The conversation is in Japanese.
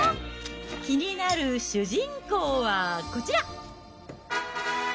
気になる主人公は、こちら。